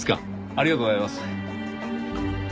ありがとうございます。